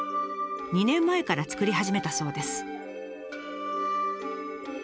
２年前から作り始めたそうです。